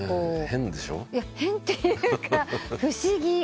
変っていうか不思議。